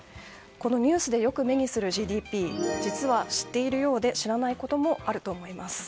ニュースでよく目にするＧＤＰ実は知っているようで知らないこともあると思います。